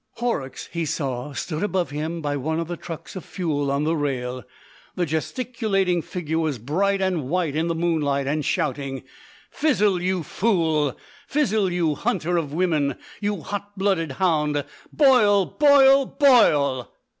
Horrocks, he saw, stood above him by one of the trucks of fuel on the rail. The gesticulating figure was bright and white in the moonlight, and shouting, "Fizzle, you fool! Fizzle, you hunter of women! You hot blooded hound! Boil! boil! boil!"